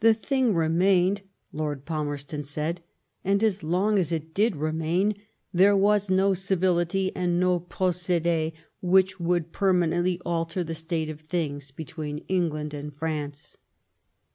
thing remained/' Lord Palmerston said, and as long as it did remain there was no ciTility and no procide which would permanently alter the state of things be tween England and France."